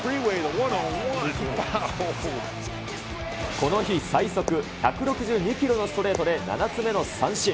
この日最速１６２キロのストレートで、７つ目の三振。